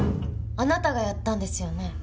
あなたがやったんですよね？